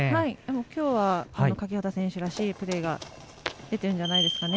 きょうは欠端選手らしいプレーが出てるんじゃないですかね。